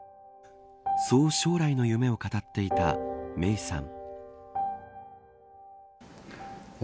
そう、将来の夢を語っていた芽生さん。